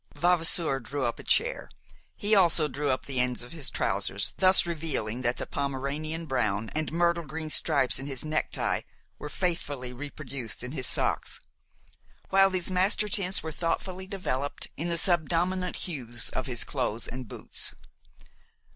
Vavasour drew up a chair. He also drew up the ends of his trousers, thus revealing that the Pomeranian brown and myrtle green stripes in his necktie were faithfully reproduced in his socks, while these master tints were thoughtfully developed in the subdominant hues of his clothes and boots.